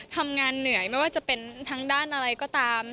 ทำงานเหนื่อยไม่ว่าจะเป็นทางด้านอะไรก็ตาม